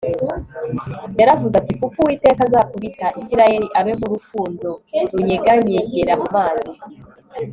yaravuze ati Kuko Uwiteka azakubita Isirayeli abe nkurufunzo runyeganyegera mu mazi